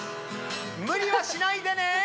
無理はしないでね